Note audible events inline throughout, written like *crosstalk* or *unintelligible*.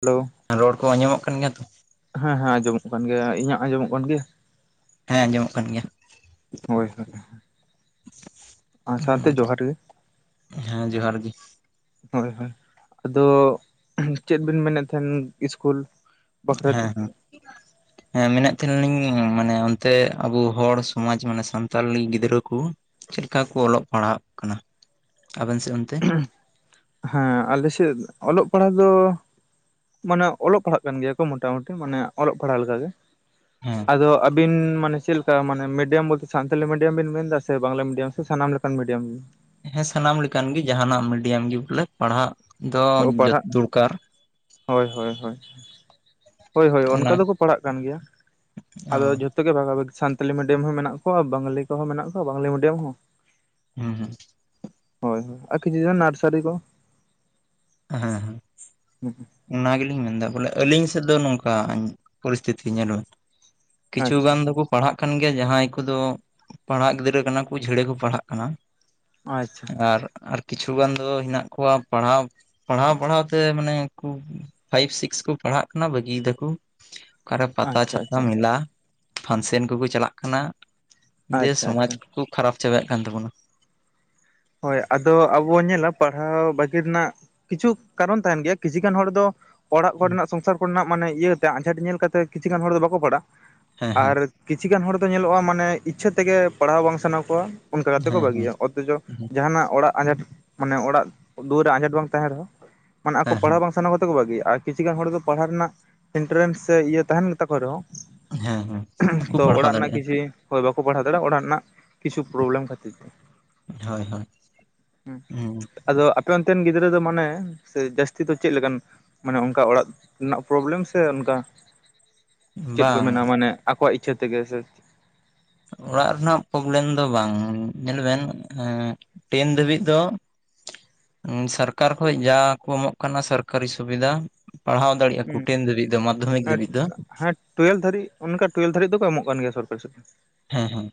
Hello ᱨᱚᱲ ᱠᱚ ᱟᱸᱡᱚᱢᱚᱜ ᱠᱟᱱ ᱜᱮᱭᱟ ᱛᱚ? ᱦᱮᱸ ᱦᱮᱸ ᱟᱸᱡᱚᱢᱚᱜ ᱠᱟᱱ ᱜᱮᱭᱟ᱾ ᱤᱧᱟᱹᱜ ᱟᱸᱡᱚᱢᱚᱜ ᱠᱟᱱ ᱜᱮᱭᱟ? ᱦᱮᱸᱚᱢᱚᱜ ᱠᱟᱱ ᱜᱮᱭᱟ᱾ ᱦᱳᱭ ᱦᱳᱭ ᱦᱳᱭ ᱟᱱᱟ ᱥᱟᱶᱛᱮ ᱡᱚᱦᱟᱨ ᱜᱮ᱾ ᱦᱮᱸ ᱡᱚᱦᱟᱨ ᱜᱮ ᱦᱳᱭ ᱦᱳᱭ ᱟᱫᱚ ᱪᱮᱫ ᱵᱤᱱ ᱢᱮᱱᱮᱫ ᱛᱟᱦᱮᱸᱱ ᱤᱥᱠᱩᱞ ᱵᱟᱠᱷᱨᱟᱛᱮ ᱦᱮᱸ ᱦᱩᱸ᱾ ᱦᱮᱸ ᱢᱮᱱᱮᱛ ᱛᱟᱦᱮᱸᱱᱟ ᱞᱤᱧ ᱢᱟᱱᱮ ᱚᱱᱛᱮ ᱟᱵᱚ ᱦᱚᱲ ᱥᱚᱢᱟᱡᱽ ᱢᱟᱱᱮ ᱥᱟᱱᱛᱟᱞᱤ ᱜᱤᱫᱽᱨᱟᱹ ᱠᱚ ᱪᱮᱜ ᱞᱮᱠᱟ ᱠᱚ ᱚᱞᱚᱜ ᱯᱟᱲᱦᱟᱜ ᱠᱟᱱᱟ ᱟᱵᱮᱱ ᱥᱮᱜ ᱚᱱᱛᱮ? ᱦᱮᱸ ᱟᱞᱮ ᱥᱮᱫ ᱚᱞᱚᱜ ᱯᱟᱲᱦᱟᱜ ᱫᱚ ᱢᱟᱱᱮ ᱚᱞᱚᱜ ᱯᱟᱲᱦᱟᱜ ᱠᱟᱱ ᱜᱮᱭᱟ ᱠᱚ ᱢᱚᱴᱟᱢᱩᱴᱤ ᱢᱟᱱᱮ ᱚᱞᱚᱜ ᱯᱟᱲᱦᱟᱜ ᱞᱮᱠᱟᱜᱮ᱾ ᱦᱮᱸ, ᱟᱫᱚ ᱟᱹᱵᱤᱱ ᱢᱟᱱᱮ ᱪᱮᱜ ᱞᱮᱠᱟ ᱢᱟᱱᱮ ᱢᱤᱰᱤᱭᱟᱢ ᱵᱚᱞᱛᱮ ᱥᱟᱱᱛᱟᱞᱤ ᱢᱤᱰᱤᱭᱟᱢ ᱵᱤᱱ ᱢᱮᱱᱫᱟ ᱥᱮ ᱵᱟᱝᱞᱟ ᱢᱤᱰᱤᱭᱟᱢ ᱥᱮ ᱥᱟᱱᱟᱢ ᱞᱮᱠᱟᱱ ᱢᱤᱰᱤᱭᱟᱢ ᱜᱮ? ᱦᱮᱸ ᱥᱟᱱᱟᱢ ᱞᱮᱠᱟᱱ ᱜᱮ ᱡᱟᱦᱟᱸᱱᱟᱜ ᱢᱤᱰᱤᱭᱟᱢ ᱜᱮ ᱵᱚᱞᱮ ᱯᱟᱲᱦᱟᱜ ᱫᱚ ᱡᱚ ᱯᱟᱲᱦᱟᱜ ᱫᱚᱨᱠᱟᱨ᱾ ᱦᱳᱭ ᱦᱳᱭ ᱦᱳᱭ, ᱦᱳᱭ ᱦᱳᱭ ᱚᱱᱠᱟ ᱚᱱᱟ ᱫᱚᱠᱚ ᱯᱟᱲᱦᱟᱜ ᱠᱟᱱ ᱜᱮᱭᱟ᱾ ᱚ ᱟᱫᱚ ᱡᱷᱚ ᱛᱚᱜᱮ ᱵᱷᱟᱜᱟ ᱵᱷᱟᱜᱤ ᱥᱟᱱᱛᱟᱞᱤ ᱢᱤᱰᱤᱭᱟᱢ ᱦᱚᱸ ᱢᱮᱱᱟᱜ ᱠᱚᱣᱟ ᱵᱟᱝᱞᱤ ᱠᱚᱦᱚᱸ ᱢᱮᱱᱟᱜ ᱠᱚᱣᱟ ᱵᱟᱝᱞᱤ ᱢᱤᱰᱟᱢ ᱦᱚᱸ᱾ ᱦᱩᱸ ᱦᱩᱸ ᱦᱳᱭ ᱦᱳᱭ, ᱟᱨ ᱠᱤᱪᱷᱩ ᱫᱚ ᱱᱟᱨᱥᱟᱨᱤ ᱠᱚ᱾ ᱦᱮᱸ ᱦᱮᱸ᱾ ᱦᱩᱸ ᱦᱩᱸ, ᱚᱱᱟ ᱜᱮᱞᱤᱧ ᱢᱮᱱᱫᱟ ᱵᱚᱞᱮ ᱟᱹᱞᱤᱧ ᱥᱮᱫ ᱫᱚ ᱱᱚᱝᱠᱟ ᱯᱚᱨᱤᱥᱛᱷᱤᱛᱤ ᱧᱮᱞ ᱵᱮᱱ ᱠᱤᱪᱷᱩ ᱟᱪᱪᱷᱟ ᱜᱟᱱ ᱫᱚᱠᱚ ᱯᱟᱲᱦᱟᱜ ᱠᱟᱱ ᱜᱮᱭᱟ ᱡᱟᱦᱟᱸᱭ ᱠᱚᱫᱚ ᱯᱟᱲᱦᱟᱜ ᱜᱤᱫᱽᱨᱟᱹ ᱠᱟᱱᱟ ᱠᱚ ᱡᱟᱲᱟᱹ ᱠᱚ ᱯᱟᱲᱦᱟᱜ ᱠᱟᱱᱟ᱾ ᱟᱪᱪᱷᱟ ᱟᱨ ᱟᱨ ᱠᱤᱪᱷᱩᱜᱟᱱ ᱫᱚ ᱦᱮᱱᱟᱜ ᱠᱚᱣᱟ ᱯᱟᱲᱦᱟᱣ, ᱯᱟᱲᱦᱟᱣ ᱯᱟᱲᱦᱟᱣ ᱛᱮ ᱢᱟᱱᱮ ᱯᱷᱟᱭᱤᱵᱽ ᱥᱤᱠᱥ ᱠᱚ ᱯᱟᱲᱦᱟᱜ ᱠᱟᱱᱟ ᱵᱟᱹᱜᱤᱭ ᱫᱟᱠᱚ ᱚᱠᱟᱨᱮ ᱯᱟᱛᱟ ᱟᱪᱪᱷᱟ ᱪᱷᱟᱛᱟ ᱟᱪᱪᱷᱟ ᱢᱮᱞᱟ ᱯᱷᱟᱱᱥᱮᱱ ᱠᱚᱠᱚ ᱪᱟᱞᱟᱜ ᱠᱟᱱᱟ ᱫᱤᱭᱮ ᱟᱪᱪᱷᱟ ᱥᱚᱢᱟᱡᱽ ᱟᱪᱪᱷᱟ ᱠᱷᱩᱵ ᱠᱷᱟᱨᱟᱯ ᱪᱟᱵᱟᱭᱮᱫ ᱠᱟᱱ ᱛᱟᱵᱚᱱᱟ ᱦᱳᱭ ᱟᱫᱚ ᱟᱵᱚ ᱧᱮᱞᱟ ᱯᱟᱲᱦᱟᱣ ᱵᱟᱹᱜᱤ ᱨᱮᱱᱟᱜ ᱠᱤᱪᱷᱩ ᱠᱟᱨᱚᱱ ᱛᱟᱦᱮᱱ ᱜᱮᱭᱟ, ᱠᱤᱪᱷᱩ ᱜᱟᱱ ᱦᱚᱲ ᱫᱚ ᱚᱲᱟᱜ ᱦᱮᱸ ᱠᱚᱨᱮᱱᱟᱜ ᱥᱚᱝᱥᱟᱨ ᱠᱚᱨᱮᱱᱟᱜ ᱢᱟᱱᱮ ᱤᱭᱟᱹ ᱛᱮ ᱟᱸᱡᱷᱟᱴ ᱧᱮᱞ ᱠᱟᱛᱮ, ᱠᱤᱪᱷᱩ ᱜᱟᱱ ᱦᱚᱲ ᱫᱚ ᱵᱟᱠᱚ ᱯᱟᱲᱦᱟᱜ-ᱟ ᱦᱮᱸ *inaudible* ᱟᱨ ᱦᱮᱸ ᱠᱤᱪᱷᱩ ᱜᱟᱱ ᱦᱚᱲ ᱫᱚ ᱧᱮᱞᱚᱜ-ᱟ, ᱢᱟᱱᱮ ᱤᱪᱪᱷᱟᱹ ᱛᱮᱜᱮ ᱯᱟᱲᱦᱟᱣ ᱵᱟᱝ ᱥᱟᱱᱟ ᱠᱚᱣᱟ ᱚᱱᱠᱟ ᱠᱟᱛᱮᱫ ᱠᱚ ᱦᱮᱸ ᱵᱟᱹᱜᱤᱭᱟ ᱚᱛᱷᱚᱪᱚ ᱡᱟᱦᱟᱱᱟᱜ ᱚᱲᱟᱜ ᱟᱸᱡᱷᱟᱴ ᱢᱟᱱᱮ ᱚᱲᱟᱜ ᱫᱩᱣᱟᱹᱨ ᱨᱮ ᱟᱸᱡᱷᱟᱴ ᱵᱟᱝ ᱛᱟᱦᱮᱸᱱ ᱨᱮᱦᱚᱸ, ᱢᱟᱱᱮ ᱟᱠᱚ ᱦᱮᱸ ᱯᱟᱲᱦᱟᱣ ᱦᱮᱸ ᱵᱟᱝ ᱥᱟᱱᱟ ᱠᱟᱛᱮ ᱠᱚ ᱵᱟᱹᱜᱤᱟ, ᱟᱨ ᱠᱤᱪᱷᱩ ᱜᱟᱱ ᱦᱚᱲ ᱫᱚ ᱯᱟᱲᱦᱟᱣ ᱨᱮᱱᱟᱜ ᱮᱱᱴᱮᱨᱮᱱᱥ ᱥᱮ ᱤᱭᱟᱹ ᱛᱟᱦᱮᱱ ᱛᱟᱠᱚ ᱨᱮᱦᱚᱸ ᱦᱮᱸ ᱦᱮᱸ ᱵᱟᱠᱚ *inaudible* ᱛᱚ ᱯᱟᱲᱦᱟᱣ ᱚᱲᱟᱜ ᱨᱮᱱᱟᱜ ᱫᱟᱲᱮᱭᱟᱜᱼᱟ ᱠᱤᱪᱷᱤ ᱦᱚᱭ ᱵᱟᱠᱚ ᱯᱟᱲᱦᱟᱣ ᱫᱟᱲᱮᱭᱟᱜ-ᱟ ᱚᱲᱟᱜ ᱨᱮᱱᱟᱜ *inaudible* ᱠᱤᱪᱷᱩ ᱯᱨᱚᱵᱞᱮᱢ ᱠᱷᱟᱹᱛᱤᱨ ᱛᱮ᱾ ᱦᱳᱭ ᱦᱳᱭ *inaudible* ᱦᱩᱸ ᱟᱫᱚ ᱟᱯᱮ ᱚᱱᱛᱮᱱ ᱜᱤᱫᱽᱨᱟᱹ ᱫᱚ ᱢᱟᱱᱮ, ᱡᱟᱹᱥᱛᱤ ᱫᱚ ᱪᱮᱫ ᱞᱮᱠᱟᱱ ᱢᱟᱱᱮ ᱚᱱᱠᱟ ᱚᱲᱟᱜ ᱨᱮᱱᱟᱜ ᱯᱨᱚᱵᱞᱮᱢ ᱥᱮ ᱚᱱᱠᱟ, ᱪᱮᱫ ᱠᱚ ᱵᱟᱝ ᱢᱮᱱᱟ ᱢᱟᱱᱮ ᱟᱠᱚᱣᱟᱜ ᱤᱪᱪᱷᱟᱹ ᱛᱮᱜᱮ ᱥᱮ ᱚᱲᱟᱜ ᱨᱮᱱᱟᱜ ᱯᱨᱚᱵᱞᱮᱢ ᱫᱚ ᱵᱟᱝ ᱧᱮᱞ ᱵᱮᱱ, ᱮᱸᱻ ᱴᱮᱱ ᱫᱷᱟᱹᱵᱤᱡ ᱫᱚ *inaudible* ᱥᱚᱨᱠᱟᱨ ᱠᱷᱚᱡ ᱡᱟ ᱠᱚ ᱮᱢᱚᱜ ᱠᱟᱱᱟ ᱥᱚᱨᱠᱟᱨᱤ ᱥᱩᱵᱤᱫᱟ ᱯᱟᱲᱦᱟᱣ ᱫᱟᱲᱮ ᱦᱩᱸ ᱠᱩᱴᱤᱱ ᱫᱷᱟᱹᱵᱤᱡ ᱫᱚ ᱢᱟᱫᱷᱚᱢᱤᱠ ᱫᱷᱟᱹᱵᱤᱡ ᱫᱚ, ᱴᱩᱭᱮᱞᱵᱷ ᱫᱷᱟᱹᱨᱤᱡ ᱚᱱᱠᱟ ᱴᱩᱭᱮᱞ ᱵᱷᱟᱹᱨᱤᱡ ᱫᱚᱠᱚ ᱮᱢᱚᱜ ᱠᱟᱱ ᱜᱮᱭᱟ ᱥᱚᱨᱠᱟᱨᱤ ᱥᱩᱵᱤᱫᱟ᱾ ᱦᱮᱸ ᱦᱮᱸ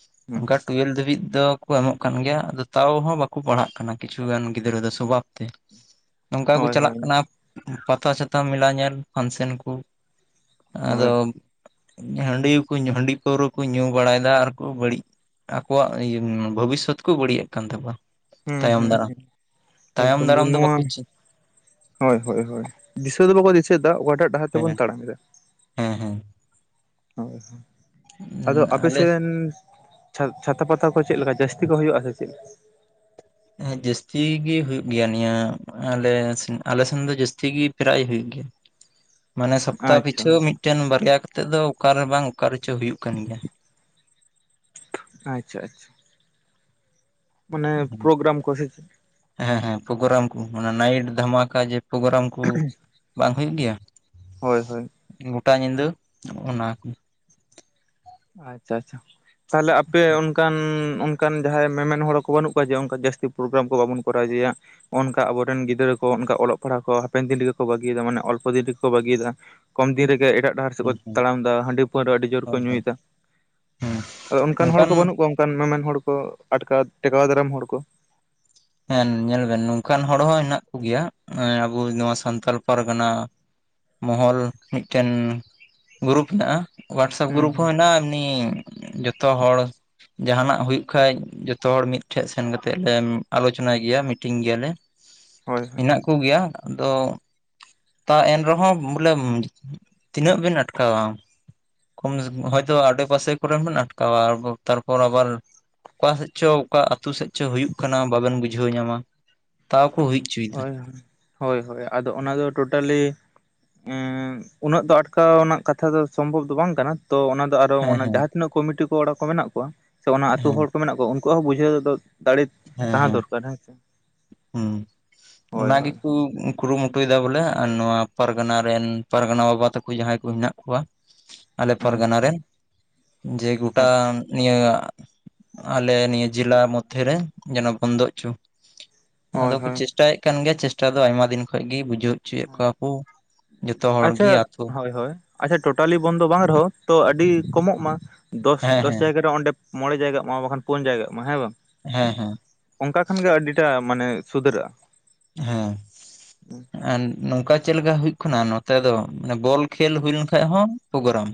*inaudible* ᱚᱱᱠᱟ ᱴᱩᱭᱮᱞ ᱫᱷᱟᱹᱵᱤᱡ ᱫᱚ, ᱠᱚ ᱮᱢᱚᱜ ᱠᱟᱱ ᱜᱮᱭᱟ, ᱟᱫᱚ ᱛᱟᱣ ᱦᱚᱸ ᱵᱟᱠᱚ ᱯᱟᱲᱦᱟᱜ ᱠᱟᱱᱟ ᱠᱤᱪᱷᱩ ᱜᱟᱱ ᱜᱤᱫᱽᱨᱟᱹ ᱫᱚ ᱥᱚᱵᱷᱟᱵ ᱛᱮ᱾ ᱱᱚᱝᱠᱟ ᱠᱚ ᱦᱳᱭ ᱪᱟᱞᱟᱜ ᱦᱳᱭ ᱠᱟᱱᱟ, ᱯᱟᱛᱟ ᱪᱷᱟᱛᱟ ᱢᱮᱞᱟ ᱧᱮᱞ ᱯᱷᱟᱱᱥᱮᱱ ᱠᱩ *inaudible* ᱟᱫᱚ ᱦᱳᱭ *inaudible* ᱦᱟᱺᱰᱤ ᱠᱩ ᱧᱩ ᱦᱟᱺᱰᱤ ᱯᱟᱹᱣᱨᱟᱹ, ᱠᱚ ᱧᱩ ᱵᱟᱲᱟᱭᱮᱫᱟ, ᱟᱨᱠᱩ ᱵᱟᱹᱲᱤᱡ ᱟᱠᱚᱣᱟᱜ ᱵᱷᱚᱵᱤᱥᱥᱚᱛ ᱠᱚ ᱵᱟᱹᱲᱤᱡᱮᱫ ᱠᱟᱱ ᱛᱟᱠᱚᱣᱟ᱾ ᱦᱮᱸᱻ ᱛᱟᱭᱚᱢ ᱦᱮᱸᱻ ᱫᱟᱨᱟᱢ ᱦᱮᱸ, ᱛᱟᱭᱚᱢ ᱮᱠᱫᱚᱢ ᱜᱮ ᱫᱟᱨᱟᱢ ᱫᱚ ᱱᱚᱣᱟ, ᱵᱟᱠᱚ ᱪᱮᱫ ᱦᱳᱭ ᱦᱳᱭ ᱦᱳᱭ ᱫᱤᱥᱟᱹ ᱫᱚ ᱵᱟᱠᱚ ᱫᱤᱥᱟᱹᱭᱮᱫᱟ ᱚᱠᱟᱴᱟᱜ ᱰᱟᱦᱟᱨ ᱛᱮᱵᱚᱱ ᱛᱟᱲᱟᱢ ᱮᱫᱟ᱾ ᱦᱮᱸᱻᱦᱮᱸ ᱦᱳᱭ *inaudible* ᱟᱫᱚ ᱟᱯᱮ ᱟᱞᱮ ᱥᱮᱱ, ᱪᱷᱟᱛᱟ ᱯᱟᱛᱟ ᱠᱚ ᱪᱮᱫ ᱞᱮᱠᱟ ᱡᱟᱹᱥᱛᱤ ᱠᱚ ᱦᱩᱭᱩᱜ-ᱟ ᱥᱮ ᱪᱮᱫ? ᱦᱮᱸ ᱡᱟᱹᱥᱛᱤ ᱜᱮ ᱦᱩᱭᱩᱜ ᱜᱮᱭᱟ ᱱᱤᱭᱟᱹ ᱟᱞᱮᱥᱮᱱ, ᱟᱞᱮᱥᱮᱱ ᱫᱚ ᱡᱟᱹᱥᱛᱤ ᱜᱮ ᱯᱨᱟᱭ ᱦᱩᱭᱩᱜ ᱜᱮᱭᱟ᱾ ᱢᱟᱱᱮ ᱥᱚᱯᱛᱟᱦᱚ ᱟᱪᱪᱷᱟ ᱯᱤᱪᱷᱩ ᱢᱤᱫᱴᱮᱱ, ᱵᱟᱨᱭᱟ ᱠᱟᱛᱮ ᱫᱚ ᱚᱠᱟ ᱨᱮ ᱵᱟᱝ ᱚᱠᱟ ᱨᱮᱪᱚ ᱦᱩᱭᱩᱜ ᱠᱟᱱ ᱜᱮᱭᱟ᱾ ᱟᱪᱪᱷᱟᱻ ᱟᱪᱪᱷᱟ *inaudible* ᱢᱟᱱᱮ ᱯᱨᱳᱜᱨᱟᱢ ᱠᱚᱥᱮ ᱦᱮᱸᱻᱦᱮᱸ ᱯᱨᱳᱜᱨᱟᱢ ᱠᱚ ᱚᱱᱟ ᱱᱟᱭᱤᱴ ᱫᱷᱟᱢᱟᱠᱟ ᱡᱮ *inaudible* ᱯᱨᱳᱜᱨᱟᱢ ᱠᱩ ᱵᱟᱝ ᱦᱩᱭᱩᱜ ᱜᱮᱭᱟ᱾ ᱦᱳᱭᱻ ᱦᱳᱭ ᱜᱚᱴᱟ ᱧᱤᱫᱟᱹ *inaudible* ᱚᱱᱟ ᱠᱚ, ᱟᱪᱪᱷᱟ ᱟᱪᱪᱷᱟ, ᱛᱟᱞᱦᱮ ᱟᱯᱮ ᱚᱱᱠᱟᱱ ᱚᱱᱠᱟᱱ ᱡᱟᱦᱟᱸᱭ ᱢᱮᱢᱮᱱ ᱦᱚᱲ ᱠᱚ ᱵᱟᱹᱱᱩᱜ ᱠᱚᱣᱟ, ᱡᱮ ᱚᱱᱠᱟ ᱡᱟᱹᱥᱛᱤ ᱯᱨᱳᱜᱨᱟᱢ ᱠᱚ ᱵᱟᱵᱚᱱ ᱠᱚᱨᱟᱣ ᱤᱫᱤᱭᱟ᱾ ᱚᱱᱠᱟ ᱟᱵᱚᱨᱮᱱ ᱜᱤᱫᱽᱨᱟᱹ ᱠᱚ, ᱚᱱᱠᱟ ᱚᱞᱚᱜ ᱯᱟᱲᱦᱟᱜ ᱠᱚ ᱦᱟᱯᱮᱱ ᱫᱤᱱ ᱨᱮᱜᱮ ᱠᱚ ᱵᱟᱹᱜᱤᱭᱮᱫᱟ ᱢᱟᱱᱮ ᱚᱞᱯᱚ ᱫᱤᱱ ᱨᱮᱜᱮ ᱠᱚ ᱵᱟᱹᱜᱤᱭᱮᱫᱟ, ᱠᱚᱢ ᱫᱤᱱ ᱨᱮᱜᱮ ᱮᱴᱟᱜ ᱰᱟᱦᱟᱨ ᱥᱮᱫ ᱠᱚ ᱦᱩᱸ ᱦᱩᱸ ᱦᱳᱭ ᱛᱟᱲᱟᱢ ᱮᱫᱟ, ᱦᱟᱺᱰᱤ ᱯᱟᱹᱣᱨᱟᱹ ᱟᱹᱰᱤ ᱡᱳᱨ ᱠᱚ ᱦᱳᱭ ᱦᱮᱸ ᱧᱩᱭᱮᱫᱟ, ᱟᱫᱚ ᱚᱱᱠᱟᱱ ᱦᱚᱲ ᱱᱚᱝᱠᱟᱱ ᱠᱚ ᱵᱟᱹᱱᱩᱜ ᱠᱚᱣᱟ, ᱚᱱᱠᱟᱱ ᱢᱮᱢᱮᱱ ᱦᱚᱲ ᱠᱚ ᱟᱴᱠᱟ ᱴᱮᱠᱟᱣ ᱫᱟᱨᱟᱢ ᱦᱚᱲ ᱠᱚ, ᱦᱮᱸ ᱧᱮᱞ ᱵᱮᱱ ᱱᱚᱝᱠᱟᱱ ᱦᱚᱲ ᱦᱚᱸ ᱦᱮᱱᱟᱜ ᱠᱚᱜᱮᱭᱟ, ᱟᱵᱚ ᱱᱚᱣᱟ ᱥᱟᱱᱛᱟᱞ ᱯᱟᱨᱜᱟᱱᱟ, ᱢᱚᱦᱚᱞ ᱢᱤᱫᱴᱮᱱ ᱜᱩᱨᱩᱯ ᱦᱮᱱᱟᱜ-ᱟ, ᱦᱚᱳᱣᱟᱴᱥᱮᱯ ᱦᱩᱸ ᱜᱩᱨᱩᱯ ᱦᱩᱸ ᱦᱚᱸ ᱦᱮᱱᱟᱜ-ᱟ ᱮᱢᱱᱤ ᱡᱚᱛᱚ ᱦᱚᱲ ᱡᱟᱦᱟᱱᱟᱜ ᱦᱩᱭᱩᱜ ᱠᱷᱟᱡ ᱡᱚᱛᱚ ᱦᱚᱲ ᱢᱤᱫᱴᱷᱮᱡ ᱥᱮᱱ ᱠᱟᱛᱮᱜ ᱞᱮ, ᱟᱞᱳᱪᱚᱱᱟᱭ ᱜᱮᱭᱟ ᱢᱤᱴᱤᱝ ᱜᱮᱭᱟᱞᱮ ᱦᱳᱭ ᱦᱳᱭ ᱢᱮᱱᱟᱜ ᱠᱚᱜᱮᱭᱟ ᱟᱫᱚ ᱛᱟ ᱮᱱᱨᱮᱦᱚᱸ ᱵᱚᱞᱮ ᱛᱤᱱᱟᱹᱜ ᱵᱮᱱ ᱟᱴᱠᱟᱣᱟ ᱠᱚᱢ ᱦᱚᱭᱛᱚ ᱟᱰᱮ ᱯᱟᱥᱮ ᱠᱚᱨᱮᱱ ᱵᱮᱱ ᱟᱴᱠᱟ ᱛᱟᱯᱚᱨ ᱟᱵᱟᱨ ᱚᱠᱟ ᱥᱮᱫ ᱪᱚ ᱚᱠᱟ ᱟᱛᱩ ᱥᱮᱫ ᱪᱚ ᱦᱩᱭᱩᱜ ᱠᱟᱱᱟ ᱵᱟᱵᱮᱱ ᱵᱩᱡᱷᱟᱹᱣ ᱧᱟᱢᱟ ᱛᱟᱣᱠᱚ ᱦᱩᱭ ᱦᱚᱪᱚᱭᱮᱫᱟ ᱦᱳᱭ ᱦᱳᱭ ᱦᱳᱭ ᱦᱳᱭ ᱟᱫᱚ ᱚᱱᱟ ᱫᱚ ᱴᱳᱴᱟᱞᱤ ᱩᱱᱟᱹᱜ ᱫᱚ ᱟᱴᱠᱟᱣ ᱨᱮᱱᱟᱜ ᱠᱟᱛᱷᱟ ᱫᱚ ᱥᱚᱢᱵᱷᱚᱵ ᱫᱚ ᱵᱟᱝ ᱠᱟᱱᱟ᱾ ᱛᱚ ᱚᱱᱟ ᱫᱚ ᱟᱨᱚ ᱦᱮᱸ ᱚᱱᱟ ᱦᱮᱸ ᱡᱟᱦᱟᱸ ᱛᱤᱱᱟᱹᱜ ᱠᱚᱢᱤᱴᱤ ᱠᱚᱲᱟ ᱠᱚ ᱢᱮᱱᱟᱜ ᱠᱚᱣᱟ ᱥᱮ ᱚᱱᱟ ᱟᱛᱩ ᱦᱮᱸ ᱦᱚᱲ ᱠᱚ ᱢᱮᱱᱟᱜ ᱠᱚᱣᱟ ᱩᱱᱠᱩ ᱩᱱᱠᱩᱣᱟᱜ ᱦᱚᱸ ᱵᱩᱡᱷᱟᱹᱣ ᱫᱚ ᱫᱟᱲᱮ ᱦᱮᱸ ᱛᱟᱦᱮᱸ ᱦᱮᱸ ᱫᱚᱨᱠᱟᱨ ᱦᱮᱸᱥᱮ ᱦᱩᱸ ᱚᱱᱟ ᱜᱤᱠᱩ ᱠᱩᱨᱩ ᱢᱩᱴᱩᱭ ᱫᱟ ᱵᱚᱞᱮ ᱱᱚᱣᱟ ᱯᱟᱨᱜᱟᱱᱟ ᱨᱮᱱ ᱯᱟᱨᱜᱟᱱᱟ ᱵᱟᱵᱟ ᱛᱟᱠᱚ ᱡᱟᱦᱟᱭ ᱠᱚ ᱦᱮᱱᱟᱜ ᱠᱚᱣᱟ ᱟᱞᱮ ᱟᱪᱪᱷᱟ ᱯᱟᱨᱜᱟᱱᱟ ᱦᱮᱸ ᱨᱮᱱ ᱡᱮ ᱜᱚᱴᱟ ᱱᱤᱭᱟᱹ ᱟᱞᱮ ᱱᱤᱭᱟᱹ ᱡᱮᱞᱟ ᱢᱚᱫᱽᱫᱷᱮᱨᱮ ᱡᱮᱱᱚ ᱵᱚᱱᱫᱚ ᱦᱚᱪᱚ ᱟᱫᱚ ᱦᱳᱭ ᱠᱚ ᱦᱳᱭ ᱪᱮᱥ ᱴᱟᱭᱮᱫ ᱠᱟᱱ ᱜᱮᱭᱟ ᱪᱮᱥᱴᱟ ᱫᱚ ᱟᱭᱢᱟ ᱫᱤᱱ ᱠᱷᱚᱡ ᱜᱮ ᱵᱩᱡᱷᱟᱹᱣ ᱦᱚᱪᱚᱭᱮᱫ ᱠᱚᱣᱟ ᱠᱚ ᱡᱚᱛᱚ ᱦᱚᱲ ᱜᱮ ᱟᱪᱪᱷᱟ ᱟᱛᱩ ᱦᱳᱭ ᱦᱳᱭ ᱟᱪᱪᱷᱟ ᱴᱳᱴᱟᱞᱤ ᱵᱚᱱᱫᱚ ᱵᱟᱝ ᱨᱮᱦᱚᱸ ᱛᱚ ᱟᱹᱰᱤ ᱠᱚᱢᱚᱜ ᱢᱟ ᱫᱚᱥ ᱦᱮᱸ ᱫᱚᱥ ᱦᱮᱸ ᱡᱟᱭᱜᱟ ᱨᱮ ᱚᱸᱰᱮ ᱢᱚᱬᱮ ᱡᱟᱭᱜᱟᱜ ᱢᱟ ᱵᱟᱠᱷᱟᱱ ᱯᱩᱱ ᱡᱟᱭᱜᱟᱜ ᱢᱟ ᱦᱮᱸ ᱵᱟᱝ ᱦᱮᱸ ᱦᱮᱸ ᱚᱱᱠᱟ ᱠᱷᱟᱱ ᱜᱮ ᱟᱹᱰᱤ ᱴᱟᱜ ᱢᱟᱱᱮ ᱥᱩᱫᱷᱟᱹᱨᱟᱹᱜ-ᱟ ᱦᱮᱸ *inaudible* ᱟᱨ ᱱᱚᱝᱠᱟ ᱪᱮᱫ ᱞᱮᱠᱟ ᱦᱳᱭᱳᱜ ᱠᱟᱱᱟ ᱱᱚᱛᱮ ᱫᱚ ᱢᱟᱱᱮ ᱵᱚᱞ ᱠᱷᱮᱞ ᱦᱩᱭ ᱞᱮᱱ ᱠᱷᱟᱡ ᱦᱚᱸ ᱯᱨᱳᱜᱨᱟᱢ